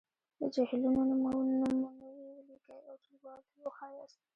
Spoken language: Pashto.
د جهیلونو نومونويې ولیکئ او ټولګیوالو ته یې وښایاست.